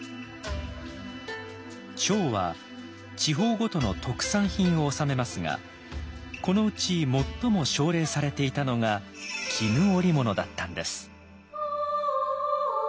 「調」は地方ごとの特産品を納めますがこのうち最も奨励されていたのが絹織物だったんです。